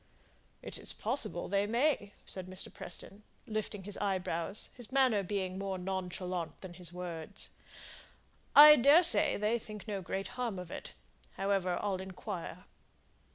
"It is possible they may!" said Mr. Preston, lifting his eyebrows, his manner being more nonchalant than his words. "I daresay they think no great harm of it. However, I'll inquire."